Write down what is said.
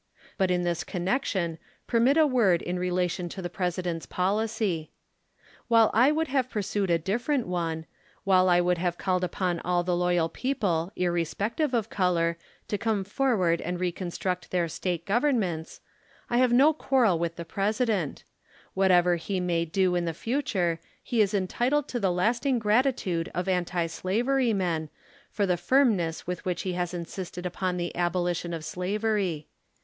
But in this connection permit a word in relation to the President's policy. While I would have pursued a different one ; while I would have called upon all the loyal people, irre spective of color, to come forward and reconstruct their State Governments, I have no quarrel with the President; whatever he may do in the future, he is entitled to the lasting gratitude of anti slaver}' men, for the firmness with which he has insisted upon the abolition of slavery.